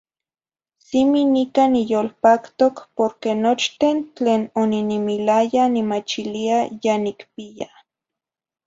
Cimi nica niyolpactoc porque nochten tlen oninimilaya nimachilia ya nicpiya.